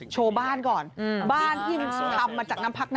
โชว์บ้านก่อน